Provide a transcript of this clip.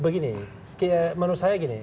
begini menurut saya gini